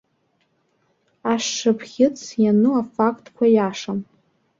Ашшыԥхьыӡ иану афактқәа иашам.